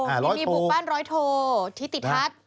อ้าร้อยโทรบุกบ้านร้อยโทรที่ติดทัก